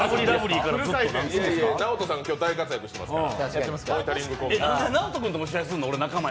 ＮＡＯＴＯさん、ずっと大活躍してますから。